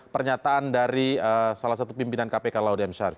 pernyataan dari salah satu pimpinan kpk laude m syarif